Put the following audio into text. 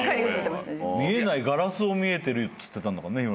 見えないガラスを見えてるっつってたんだからね。